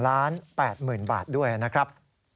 ล้านแปดหมื่นบาทด้วยนะครับ